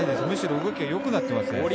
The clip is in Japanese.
むしろ動きがよくなっていますね。